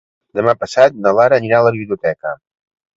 Demà passat na Lara anirà a la biblioteca.